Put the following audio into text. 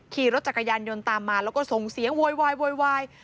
ขี่รถจักรยานยนต์ตามมาแล้วก็ส่งเสียงโวยวายโวยวาย